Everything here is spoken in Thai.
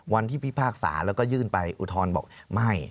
พิพากษาแล้วก็ยื่นไปอุทธรณ์บอกไม่